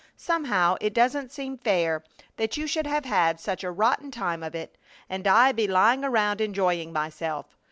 "Somehow it doesn't seem fair that you should have had such a rotten time of it, and I be lying around enjoying myself.